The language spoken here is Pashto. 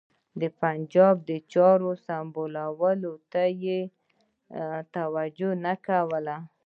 د پنجاب د چارو سمبالولو ته یې توجه نه کوله.